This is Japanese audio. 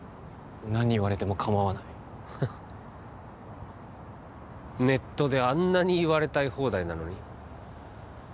何言われても構わないハッネットであんなに言われたい放題なのに？